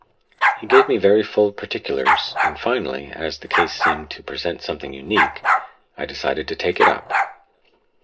He gave me very full particulars, and, finally, as the case seemed to present something unique, I decided to take it up.